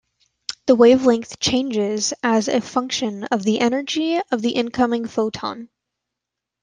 The wavelength changes as a function of the energy of the incoming photon.